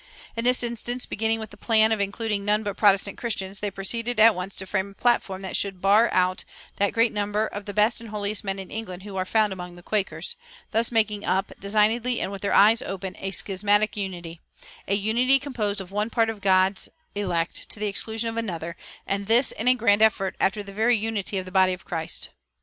In this instance, beginning with the plan of including none but Protestant Christians, they proceeded at once to frame a platform that should bar out that "great number of the best and holiest men in England who are found among the Quakers," thus making up, "designedly and with their eyes open, a schismatic unity a unity composed of one part of God's elect, to the exclusion of another; and this in a grand effort after the very unity of the body of Christ."